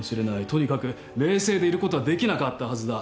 とにかく冷静でいることはできなかったはずだ